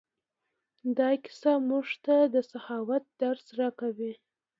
دا کیسه موږ ته د سخاوت درس راکوي.